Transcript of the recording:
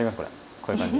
こういう感じ。